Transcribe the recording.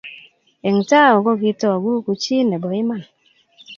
Eng tao kogitagu ku chii nebo iman